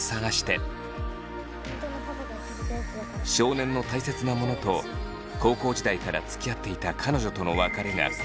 少年のたいせつなものと高校時代からつきあっていた彼女との別れが交錯した物語です。